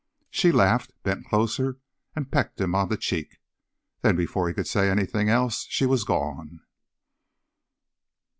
She laughed, bent closer and pecked him on the cheek. Then, before he could say anything else, she was gone.